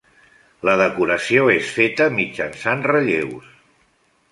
La decoració és feta mitjançant relleus.